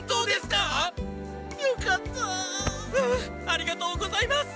ありがとうございます！